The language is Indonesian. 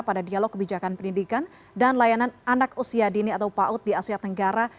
pada dialog kebijakan pendidikan dan layanan anak usia dini atau paut di asia tenggara